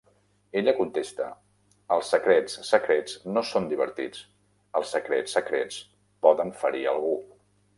Ella contesta: "Els secrets secrets no són divertits, els secrets secrets poden ferir algú".